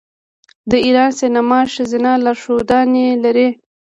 د ایران سینما ښځینه لارښودانې لري.